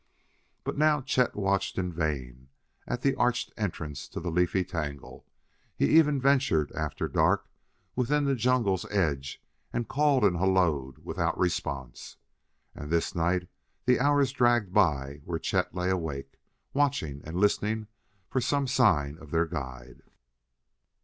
But now Chet watched in vain at the arched entrance to the leafy tangle. He even ventured, after dark, within the jungle's edge and called and hallooed without response. And this night the hours dragged by where Chet lay awake, watching and listening for some sign of their guide.